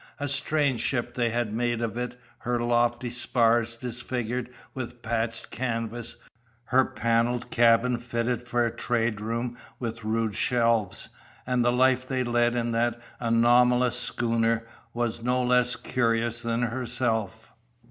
A strange ship they had made of it, her lofty spars disfigured with patched canvas, her panelled cabin fitted for a traderoom with rude shelves. And the life they led in that anomalous schooner was no less curious than herself.